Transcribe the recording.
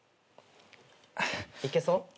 いけそう？